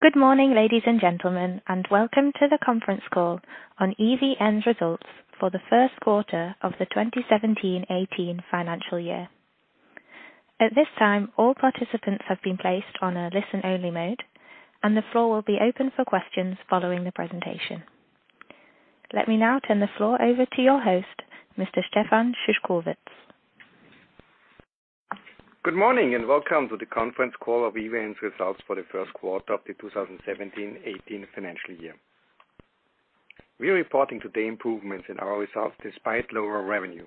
Good morning, ladies and gentlemen, and welcome to the conference call on EVN's results for the first quarter of the 2017/2018 financial year. At this time, all participants have been placed on a listen-only mode, the floor will be open for questions following the presentation. Let me now turn the floor over to your host, Mr. Stefan Szyszkowitz. Good morning and welcome to the conference call of EVN's results for the first quarter of the 2017/18 financial year. We are reporting today improvements in our results despite lower revenue.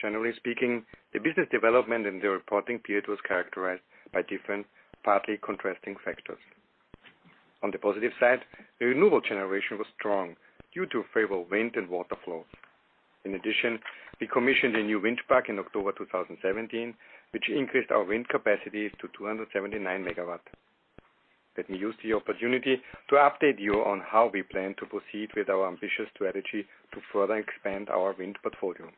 Generally speaking, the business development in the reporting period was characterized by different, partly contrasting factors. On the positive side, the renewable generation was strong due to favorable wind and water flows. In addition, we commissioned a new wind park in October 2017, which increased our wind capacity to 279 megawatts. Let me use the opportunity to update you on how we plan to proceed with our ambitious strategy to further expand our wind portfolio.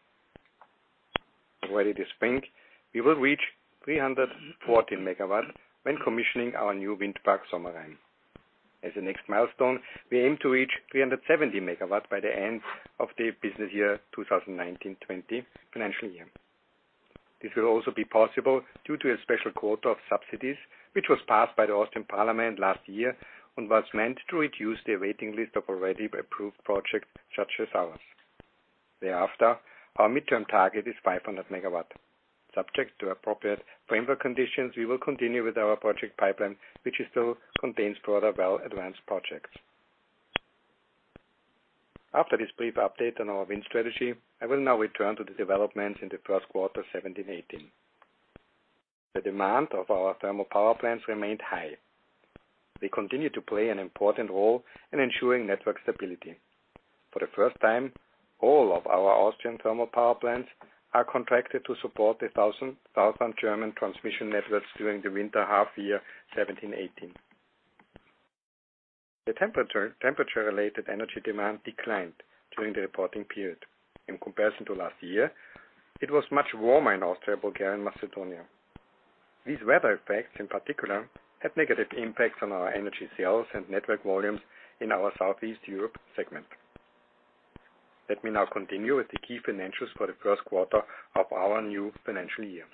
Already this spring, we will reach 314 megawatts when commissioning our new wind farm, Sommerein. As the next milestone, we aim to reach 370 megawatts by the end of the business year 2019/20 financial year. This will also be possible due to a special quota of subsidies, which was passed by the Austrian Parliament last year and was meant to reduce the waiting list of already approved projects such as ours. Thereafter, our midterm target is 500 megawatts. Subject to appropriate framework conditions, we will continue with our project pipeline, which still contains further well-advanced projects. After this brief update on our wind strategy, I will now return to the developments in the first quarter 2017/18. The demand for our thermal power plants remained high. They continue to play an important role in ensuring network stability. For the first time, all of our Austrian thermal power plants are contracted to support the 1,000 German transmission networks during the winter half year 2017/2018. The temperature-related energy demand declined during the reporting period. In comparison to last year, it was much warmer in Austria, Bulgaria, and Macedonia. These weather effects, in particular, had negative impacts on our energy sales and network volumes in our Southeast Europe segment. Let me now continue with the key financials for the first quarter of our new financial year.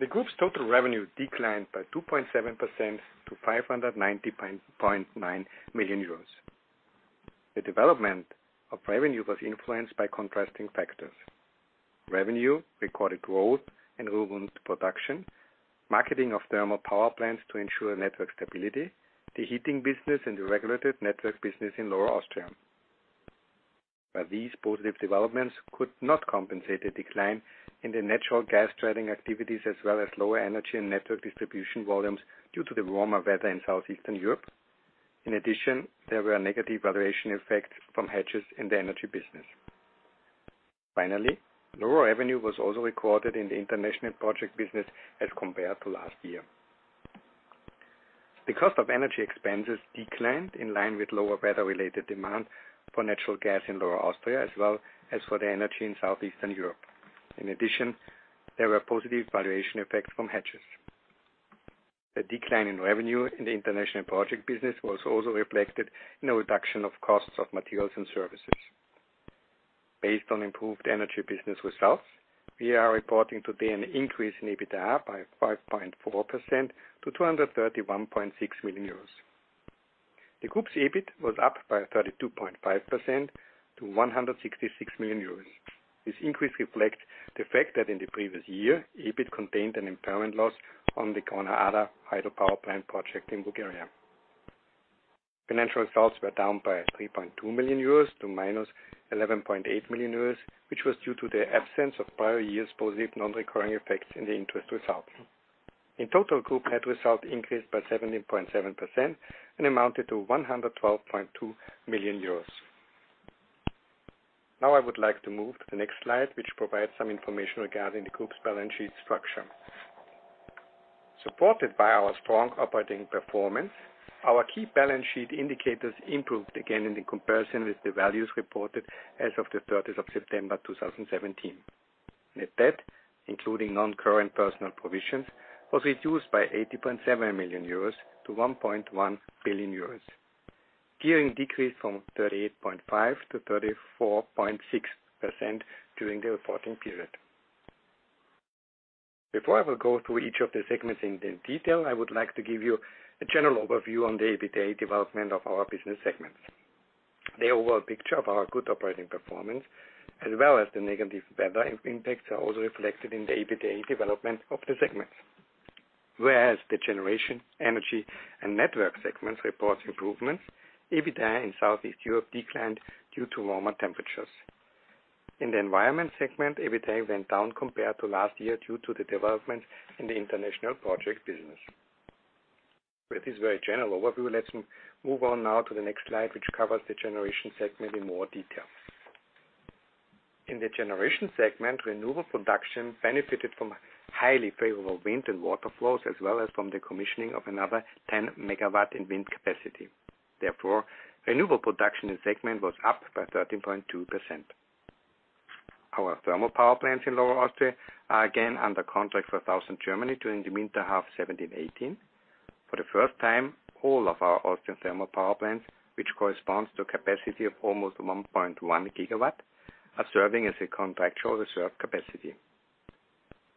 The group's total revenue declined by 2.7% to 590.9 million euros. The development of revenue was influenced by contrasting factors. Revenue recorded growth in renewable production, marketing of thermal power plants to ensure network stability, the heating business and the regulated network business in Lower Austria. These positive developments could not compensate the decline in the natural gas trading activities as well as lower energy and network distribution volumes due to the warmer weather in Southeastern Europe. In addition, there were negative valuation effects from hedges in the energy business. Finally, lower revenue was also recorded in the international project business as compared to last year. The cost of energy expenses declined in line with lower weather-related demand for natural gas in Lower Austria, as well as for the energy in Southeastern Europe. In addition, there were positive valuation effects from hedges. The decline in revenue in the international project business was also reflected in a reduction of costs of materials and services. Based on improved energy business results, we are reporting today an increase in EBITDA by 5.4% to 231.6 million euros. The group's EBIT was up by 32.5% to 166 million euros. This increase reflects the fact that in the previous year, EBIT contained an impairment loss on the Gorna Arda hydropower plant project in Bulgaria. Financial results were down by 3.2 million euros to -11.8 million euros, which was due to the absence of prior year's positive non-recurring effects in the interest result. In total, group net result increased by 17.7% and amounted to 112.2 million euros. Now I would like to move to the next slide, which provides some information regarding the group's balance sheet structure. Supported by our strong operating performance, our key balance sheet indicators improved again in comparison with the values reported as of the 30th of September 2017. Net debt, including non-current personal provisions, was reduced by 80.7 million euros to 1.1 billion euros. Gearing decreased from 38.5% to 34.6% during the reporting period. Before I will go through each of the segments in detail, I would like to give you a general overview on the EBITDA development of our business segments. The overall picture of our good operating performance, as well as the negative weather impacts, are also reflected in the EBITDA development of the segments. Whereas the generation, energy, and network segments report improvements, EBITDA in Southeast Europe declined due to warmer temperatures. In the environment segment, EBITDA went down compared to last year due to the development in the international project business. It is very general. Let's move on now to the next slide, which covers the generation segment in more detail. In the generation segment, renewable production benefited from highly favorable wind and water flows, as well as from the commissioning of another 10 megawatts in wind capacity. Therefore, renewable production in segment was up by 13.2%. Our thermal power plants in Lower Austria are again under contract for Southern Germany during the winter half 2017-2018. For the first time, all of our Austrian thermal power plants, which corresponds to a capacity of almost 1.1 gigawatts, are serving as a contractual reserve capacity.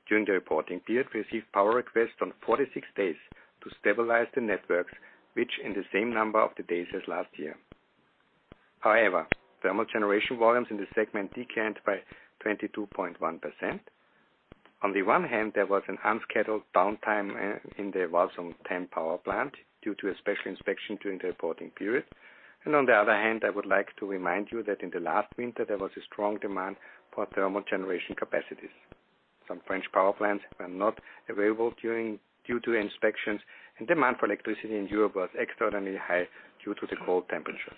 During the reporting period, we received power requests on 46 days to stabilize the networks, which in the same number of the days as last year. Thermal generation volumes in this segment declined by 22.1%. On the one hand, there was an unscheduled downtime in the Walsum 10 power plant due to a special inspection during the reporting period. On the other hand, I would like to remind you that in the last winter, there was a strong demand for thermal generation capacities. Some French power plants were not available due to inspections, and demand for electricity in Europe was extraordinarily high due to the cold temperatures.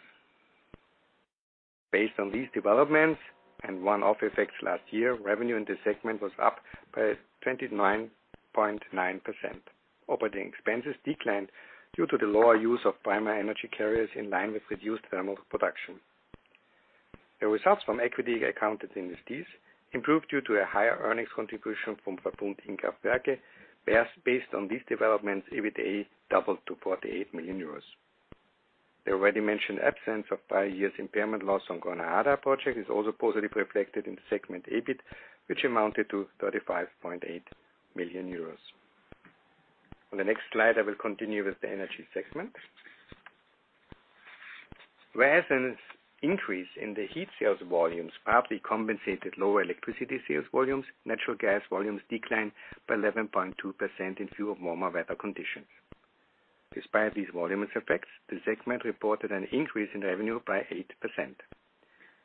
Based on these developments and one-off effects last year, revenue in this segment was up by 29.9%. Operating expenses declined due to the lower use of primary energy carriers in line with reduced thermal production. The results from equity accounted investees improved due to a higher earnings contribution from Verbund Innkraftwerke. Based on these developments, EBITDA doubled to 48 million euros. The already mentioned absence of prior years impairment loss on Gorna Arda project is also positively reflected in the segment EBIT, which amounted to 35.8 million euros. On the next slide, I will continue with the energy segment. Whereas an increase in the heat sales volumes partly compensated lower electricity sales volumes, natural gas volumes declined by 11.2% in view of warmer weather conditions. Despite these voluminous effects, the segment reported an increase in revenue by 8%.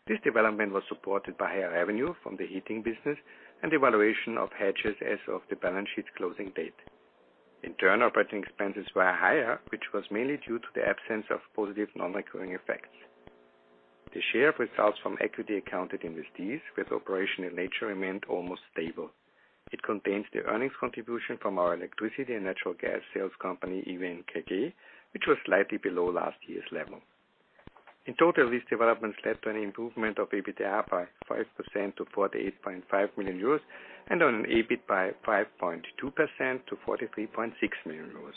This development was supported by higher revenue from the heating business and the valuation of hedges as of the balance sheet closing date. In turn, operating expenses were higher, which was mainly due to the absence of positive non-recurring effects. The share of results from equity accounted investees with operation in nature remained almost stable. It contains the earnings contribution from our electricity and natural gas sales company, EVG KG, which was slightly below last year's level. In total, these developments led to an improvement of EBITDA by 5% to 48.5 million euros and on an EBIT by 5.2% to 43.6 million euros.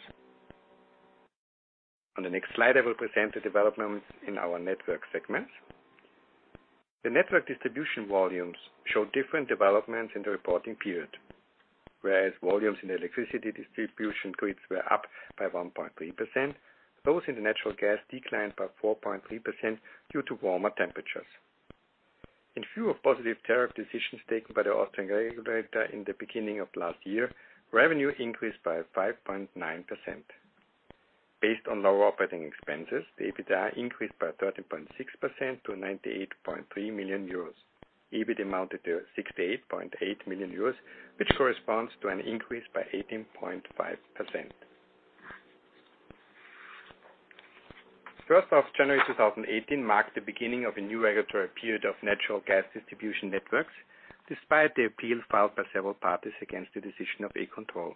On the next slide, I will present the developments in our network segments. The network distribution volumes showed different developments in the reporting period. Whereas volumes in electricity distribution grids were up by 1.3%, those in the natural gas declined by 4.3% due to warmer temperatures. In view of positive tariff decisions taken by the Austrian regulator in the beginning of last year, revenue increased by 5.9%. Based on lower operating expenses, the EBITDA increased by 13.6% to 98.3 million euros. EBIT amounted to 68.8 million euros, which corresponds to an increase by 18.5%. January 1, 2018 marked the beginning of a new regulatory period of natural gas distribution networks. Despite the appeal filed by several parties against the decision of E-Control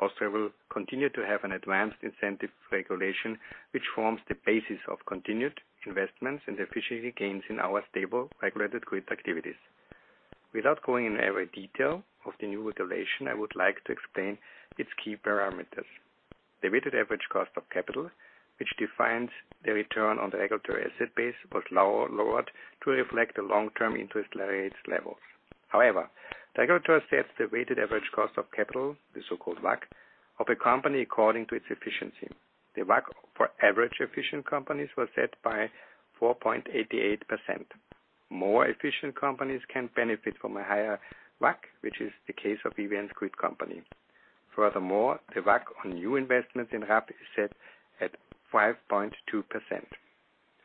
Austria will continue to have an advanced incentive regulation, which forms the basis of continued investments and efficiency gains in our stable regulated grid activities. Without going into every detail of the new regulation, I would like to explain its key parameters. The weighted average cost of capital, which defines the return on the regulatory asset base, was lowered to reflect the long-term interest rates levels. However, the regulator sets the weighted average cost of capital, the so-called WACC, of a company according to its efficiency. The WACC for average efficient companies was set by 4.88%. More efficient companies can benefit from a higher WACC, which is the case of EVN's grid company. Furthermore, the WACC on new investments in hub is set at 5.2%.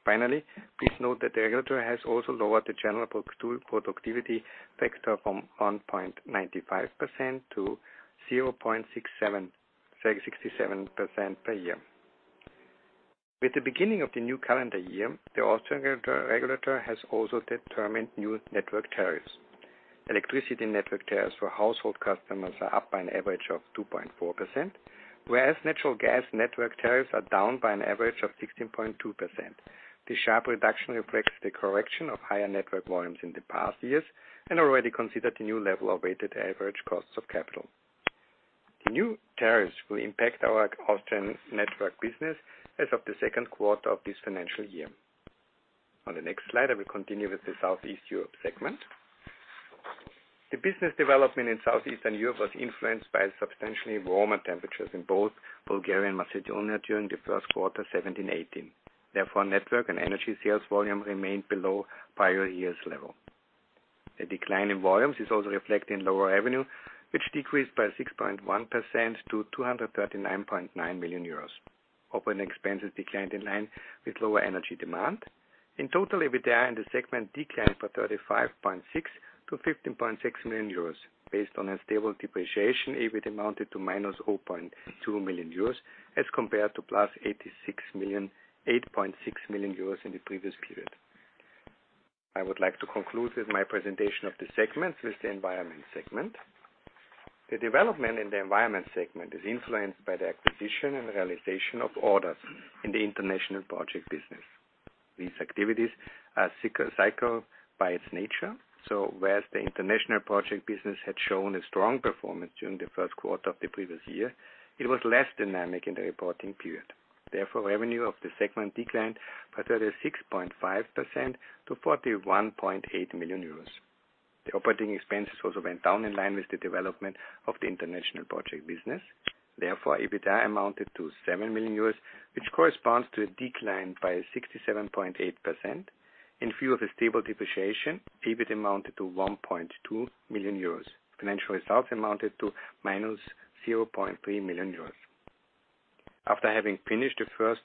Finally, please note that the regulator has also lowered the general productivity factor from 1.95% to 0.67% per year. With the beginning of the new calendar year, the Austrian regulator has also determined new network tariffs. Electricity network tariffs for household customers are up by an average of 2.4%, whereas natural gas network tariffs are down by an average of 16.2%. The sharp reduction reflects the correction of higher network volumes in the past years and already considered the new level of weighted average costs of capital. The new tariffs will impact our Austrian network business as of the second quarter of this financial year. On the next slide, I will continue with the Southeast Europe segment. The business development in Southeastern Europe was influenced by substantially warmer temperatures in both Bulgaria and Macedonia during the first quarter 2017/2018. Therefore, network and energy sales volume remained below prior years' level. The decline in volumes is also reflected in lower revenue, which decreased by 6.1% to 239.9 million euros. Operating expenses declined in line with lower energy demand. In total, EBITDA in the segment declined by 35.6% to 15.6 million euros. Based on a stable depreciation, EBIT amounted to minus 0.2 million euros as compared to plus 8.6 million euros in the previous period. I would like to conclude with my presentation of the segments with the environment segment. The development in the environment segment is influenced by the acquisition and realization of orders in the international project business. These activities are cyclical by its nature. Whereas the international project business had shown a strong performance during the first quarter of the previous year, it was less dynamic in the reporting period. Therefore, revenue of the segment declined by 36.5% to 41.8 million euros. The operating expenses also went down in line with the development of the international project business. Therefore, EBITDA amounted to 7 million euros, which corresponds to a decline by 67.8%. In view of the stable depreciation, EBIT amounted to 1.2 million euros. Financial results amounted to minus 0.3 million euros. After having finished the first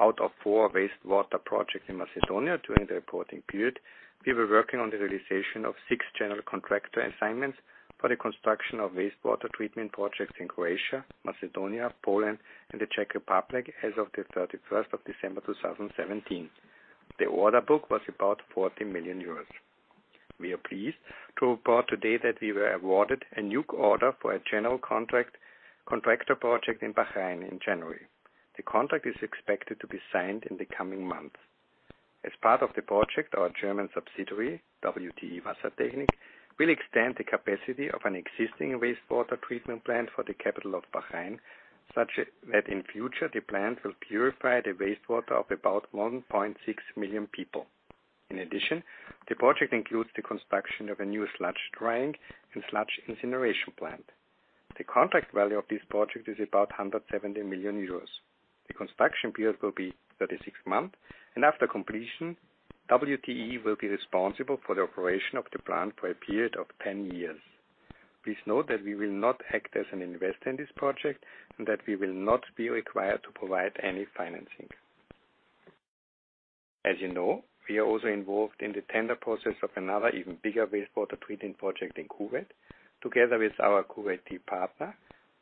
out of four wastewater projects in Macedonia during the reporting period, we were working on the realization of six general contractor assignments for the construction of wastewater treatment projects in Croatia, Macedonia, Poland, and the Czech Republic as of the 31st of December 2017. The order book was about 40 million euros. We are pleased to report today that we were awarded a new order for a general contractor project in Bahrain in January. The contract is expected to be signed in the coming months. As part of the project, our German subsidiary, WTE Wassertechnik, will extend the capacity of an existing wastewater treatment plant for the capital of Bahrain, such that in future, the plant will purify the wastewater of about 1.6 million people. In addition, the project includes the construction of a new sludge drying and sludge incineration plant. The contract value of this project is about 170 million euros. The construction period will be 36 months, and after completion, WTE will be responsible for the operation of the plant for a period of 10 years. Please note that we will not act as an investor in this project and that we will not be required to provide any financing. As you know, we are also involved in the tender process of another even bigger wastewater treatment project in Kuwait. Together with our Kuwaiti partner,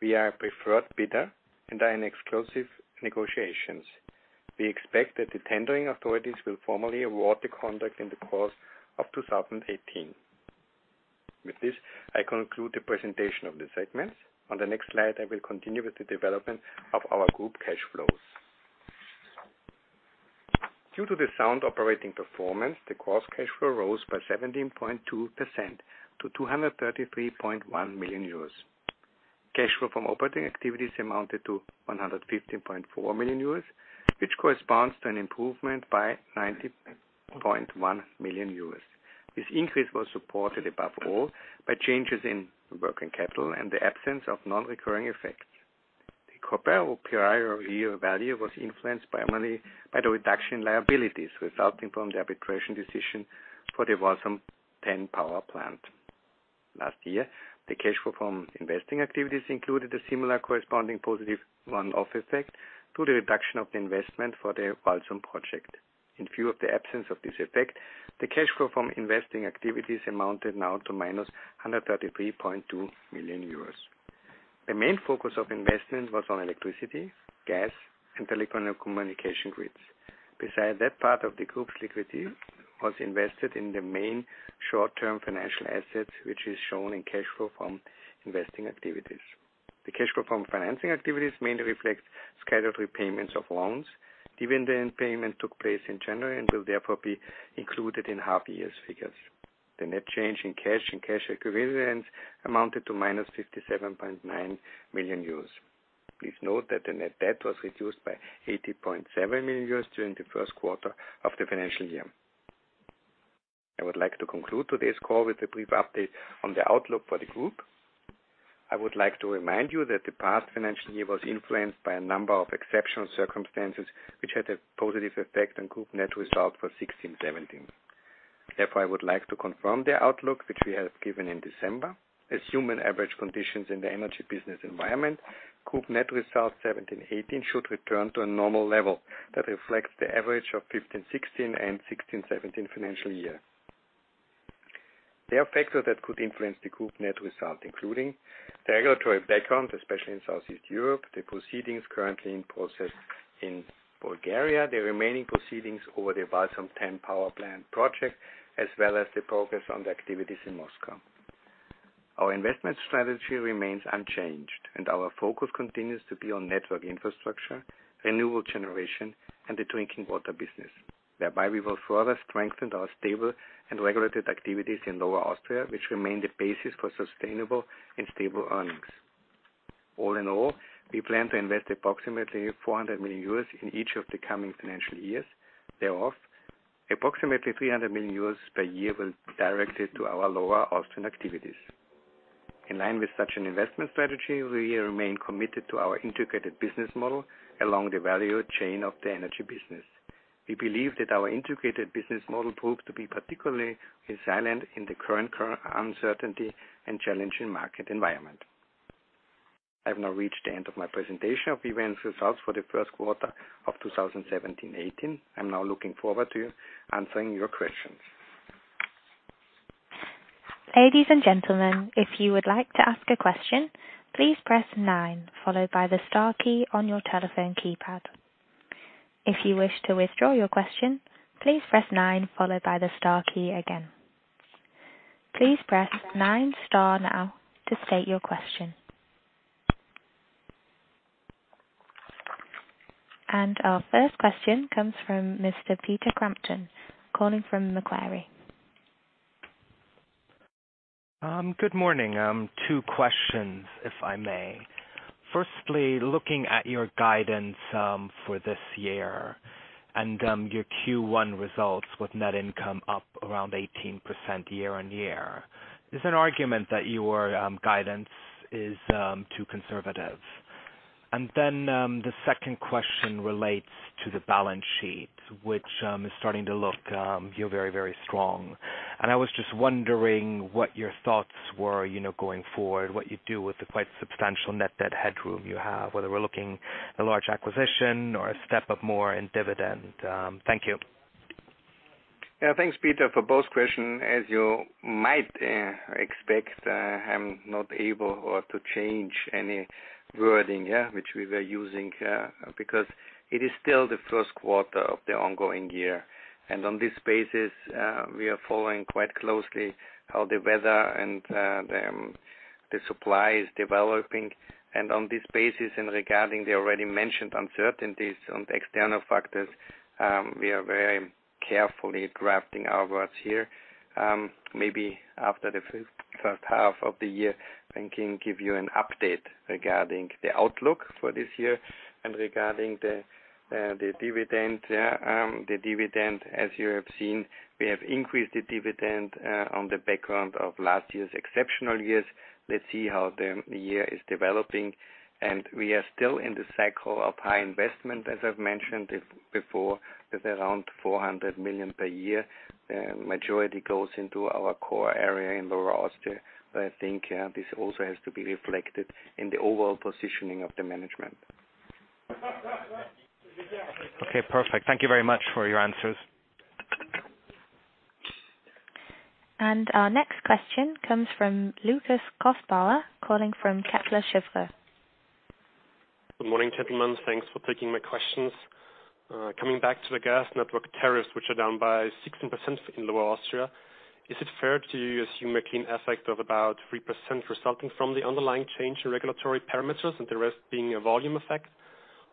we are a preferred bidder and are in exclusive negotiations. We expect that the tendering authorities will formally award the contract in the course of 2018. With this, I conclude the presentation of the segments. On the next slide, I will continue with the development of our group cash flows. Due to the sound operating performance, the gross cash flow rose by 17.2% to 233.1 million euros. Cash flow from operating activities amounted to 115.4 million euros, which corresponds to an improvement by 90.1 million euros. This increase was supported above all by changes in working capital and the absence of non-recurring effects. The comparable prior year value was influenced primarily by the reduction in liabilities resulting from the arbitration decision for the Walsum 10 power plant. Last year, the cash flow from investing activities included a similar corresponding positive one-off effect to the reduction of the investment for the Walsum project. In view of the absence of this effect, the cash flow from investing activities amounted now to minus 133.2 million euros. The main focus of investment was on electricity, gas, and telecommunication grids. Besides that part of the group's liquidity was invested in the main short-term financial assets, which is shown in cash flow from investing activities. The cash flow from financing activities mainly reflects scheduled repayments of loans. Dividend payment took place in January and will therefore be included in half year's figures. The net change in cash and cash equivalents amounted to minus 57.9 million euros. Please note that the net debt was reduced by 80.7 million euros during the first quarter of the financial year. I would like to conclude today's call with a brief update on the outlook for the group. I would like to remind you that the past financial year was influenced by a number of exceptional circumstances, which had a positive effect on group net results for 2016/2017. I would like to confirm the outlook, which we have given in December. Assuming average conditions in the energy business environment, group net results 2017/2018 should return to a normal level that reflects the average of 2015/2016 and 2016/2017 financial year. There are factors that could influence the group net result, including the regulatory background, especially in Southeast Europe, the proceedings currently in process in Bulgaria, the remaining proceedings over the Walsum 10 power plant project, as well as the progress on the activities in Moscow. Our investment strategy remains unchanged, and our focus continues to be on network infrastructure, renewable generation, and the drinking water business. Thereby, we will further strengthen our stable and regulated activities in Lower Austria, which remain the basis for sustainable and stable earnings. All in all, we plan to invest approximately 400 million euros in each of the coming financial years. Thereof, approximately 300 million euros per year will be directed to our Lower Austrian activities. In line with such an investment strategy, we remain committed to our integrated business model along the value chain of the energy business. We believe that our integrated business model proved to be particularly resilient in the current uncertainty and challenging market environment. I've now reached the end of my presentation of EVN's results for the first quarter of 2017/2018. I'm now looking forward to answering your questions. Ladies and gentlemen, if you would like to ask a question, please press Nine followed by the Star key on your telephone keypad. If you wish to withdraw your question, please press nine followed by the star key again. Please press nine star now to state your question. Our first question comes from Mr. Peter Crampton, calling from Macquarie. Good morning. Two questions, if I may. Firstly, looking at your guidance for this year and your Q1 results with net income up around 18% year-on-year, there's an argument that your guidance is too conservative. The second question relates to the balance sheet, which is starting to look very, very strong. I was just wondering what your thoughts were going forward, what you'd do with the quite substantial net debt headroom you have, whether we're looking a large acquisition or a step up more in dividend. Thank you. Yeah, thanks, Peter, for both question. As you might expect, I'm not able to change any wording, yeah, which we were using, because it is still the first quarter of the ongoing year. On this basis, we are following quite closely how the weather and the supply is developing. On this basis, in regarding the already mentioned uncertainties on the external factors, we are very carefully drafting our words here. Maybe after the first half of the year, I can give you an update regarding the outlook for this year and regarding the dividend. The dividend, as you have seen, we have increased the dividend on the background of last year's exceptional years. Let's see how the year is developing, and we are still in the cycle of high investment, as I've mentioned before, with around 400 million per year. Majority goes into our core area in Lower Austria, I think this also has to be reflected in the overall positioning of the management. Okay, perfect. Thank you very much for your answers. Our next question comes from Lukas Kothbauer, calling from Kepler Cheuvreux. Good morning, gentlemen. Thanks for taking my questions. Coming back to the gas network tariffs, which are down by 16% in Lower Austria, is it fair to assume a clean effect of about 3% resulting from the underlying change in regulatory parameters and the rest being a volume effect?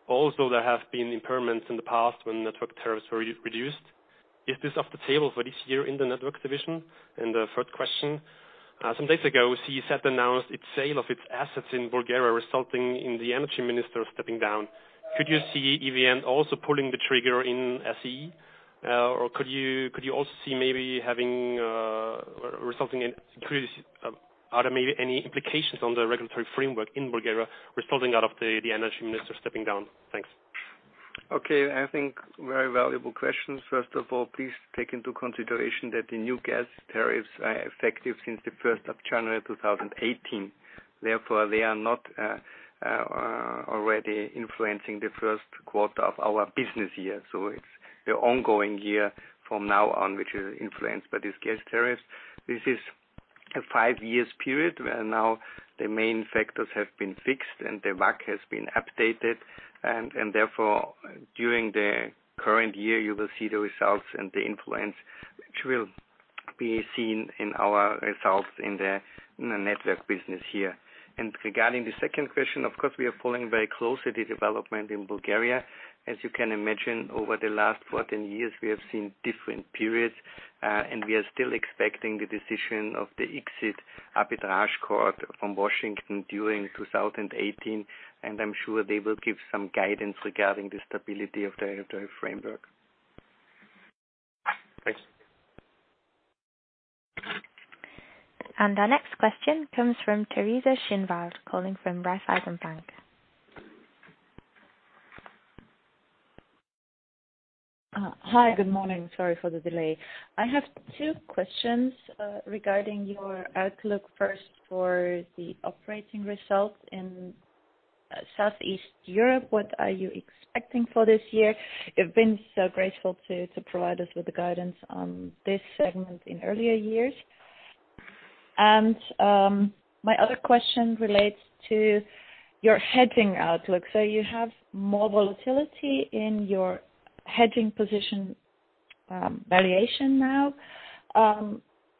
Also, there have been impairments in the past when network tariffs were reduced. Is this off the table for this year in the network division? The third question, some days ago, ČEZ announced its sale of its assets in Bulgaria, resulting in the energy minister stepping down. Could you see EVN also pulling the trigger in SEE? Could you also see any implications on the regulatory framework in Bulgaria resulting out of the energy minister stepping down? Thanks. Okay, I think very valuable questions. First of all, please take into consideration that the new gas tariffs are effective since the 1st of January 2018. Therefore, they are not already influencing the first quarter of our business year. It's the ongoing year from now on which is influenced by this gas tariff. This is a five years period, where now the main factors have been fixed and the WACC has been updated, therefore, during the current year, you will see the results and the influence, which will be seen in our results in the network business here. Regarding the second question, of course, we are following very closely the development in Bulgaria. As you can imagine, over the last 14 years, we have seen different periods, we are still expecting the decision of the ICSID Arbitration Court from Washington during 2018. I'm sure they will give some guidance regarding the stability of the regulatory framework. Thanks. Our next question comes from Teresa Schinwald, calling from Raiffeisen Bank. Hi. Good morning. Sorry for the delay. I have two questions regarding your outlook. First, for the operating results in Southeast Europe, what are you expecting for this year? You've been so graceful to provide us with the guidance on this segment in earlier years. My other question relates to your hedging outlook. You have more volatility in your hedging position valuation now.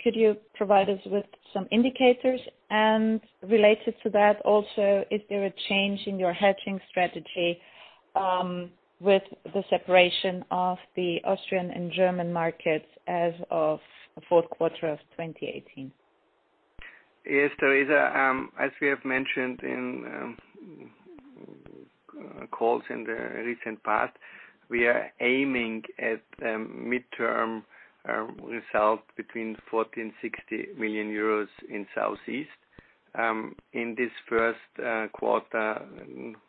Could you provide us with some indicators? Related to that also, is there a change in your hedging strategy with the separation of the Austrian and German markets as of the fourth quarter of 2018? Yes, Theresa. As we have mentioned in calls in the recent past, we are aiming at midterm result between 40 million and 60 million euros in Southeast. In this first quarter,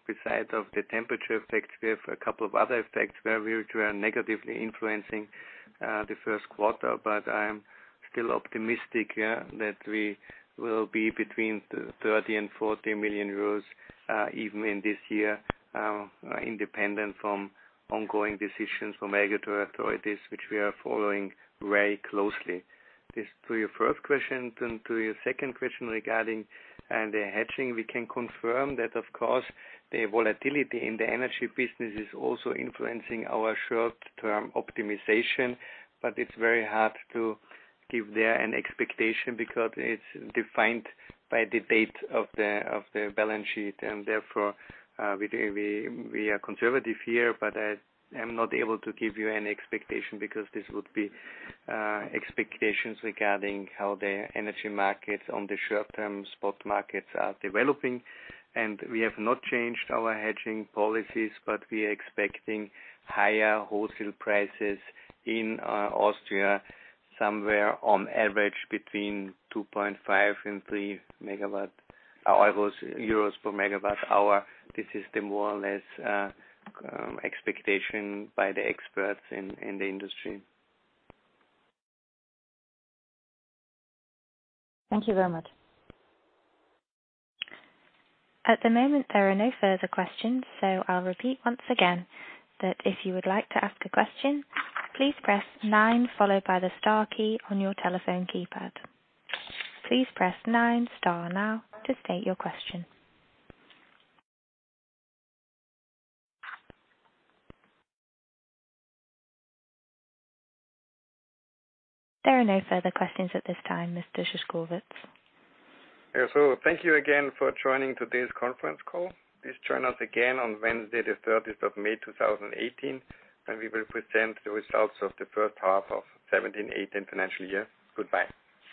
beside of the temperature effect, we have a couple of other effects where we are negatively influencing the first quarter. I am still optimistic that we will be between 30 million and 40 million euros, even in this year, independent from ongoing decisions from regulatory authorities, which we are following very closely. This to your first question. To your second question regarding the hedging, we can confirm that of course, the volatility in the energy business is also influencing our short-term optimization, but it's very hard to give there an expectation because it's defined by the state of the balance sheet. Therefore, we are conservative here, but I am not able to give you any expectation because this would be expectations regarding how the energy markets on the short-term spot markets are developing. We have not changed our hedging policies, but we are expecting higher wholesale prices in Austria, somewhere on average between 2.5 and 3 euros per megawatt hour. This is the more or less expectation by the experts in the industry. Thank you very much. At the moment, there are no further questions, I'll repeat once again that if you would like to ask a question, please press nine followed by the star key on your telephone keypad. Please press nine star now to state your question. There are no further questions at this time, Mr. Szyszkowitz. Thank you again for joining today's conference call. Please join us again on Wednesday the 30th of May, 2018, we will present the results of the first half of 2017/2018 financial year. Goodbye.